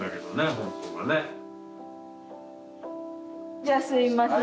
じゃあすいません。